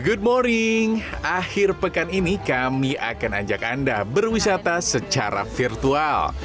good morning akhir pekan ini kami akan ajak anda berwisata secara virtual